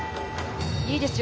いいですよ